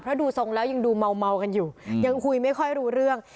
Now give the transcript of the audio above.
เพราะดูทรงแล้วยังดูเมากันอยู่ยังคุยไม่ค่อยรู้เรื่อง